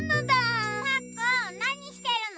パックンなにしてるの？